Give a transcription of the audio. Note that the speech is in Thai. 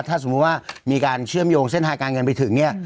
ถ้าสมมุติว่ามีการเชื่อมโยงเส้นทางการเงินไปถึงเนี่ย